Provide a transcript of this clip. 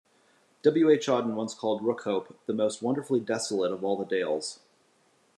W. H. Auden once called Rookhope 'the most wonderfully desolate of all the dales'.